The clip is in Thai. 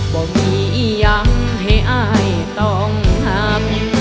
บ่มีอย่างเป็นไงต้องหัก